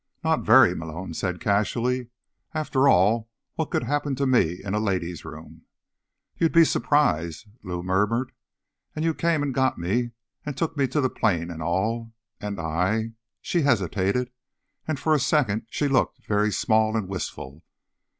"Not very," Malone said casually. "After all, what could happen to me in a ladies' room?" "You'd be surprised," Lou murmured. "And you came and got me, and took me to the plane and all. And I—" She hesitated, and for a second she looked very small and wistful.